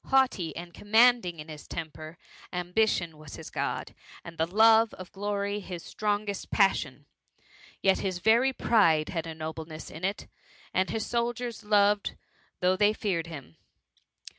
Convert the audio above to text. Haughty and commanding in his temper — ambition was his God, and the love of glory his strongest passion; yet his very pride had a nobleness in it, and his sol diers loved though they feared him.